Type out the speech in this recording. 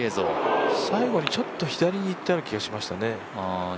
最後にちょっと左にいったような気がしましたね。